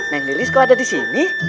neng lilis kok ada di sini